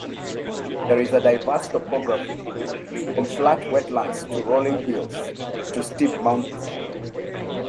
There is a diverse topography, from flat wetlands to rolling hills, to steep mountainside.